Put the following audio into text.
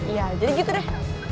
ya jadi gitu deh